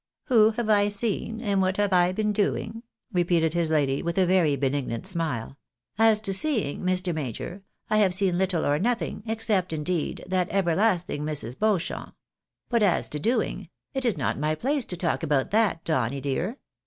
" Who have I seen, and what have I been doing ?" repeated his lady, with a very benignant smile ;" as to seeing, Mr. Major, I have seen little or nothing — except, indeed, that everlasting Mrs. Beauchamp. But as to doing — ^it is not my place to talk about that, Donny, dear.